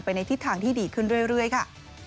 ในทิศทางที่ดีขึ้นเรื่อยค่ะ